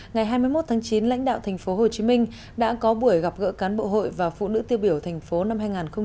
ngày hai mươi một tháng chín lãnh đạo thành phố hồ chí minh đã có buổi gặp gỡ cán bộ hội và phụ nữ tiêu biểu thành phố năm hai nghìn một mươi sáu